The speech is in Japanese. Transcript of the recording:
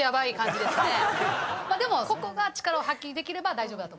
でもここが力を発揮できれば大丈夫だと。